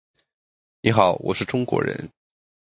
你好，我是中国人。